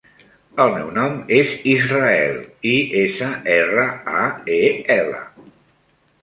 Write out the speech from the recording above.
El meu nom és Israel: i, essa, erra, a, e, ela.